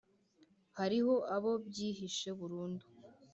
Hariho abo byihishe burundu,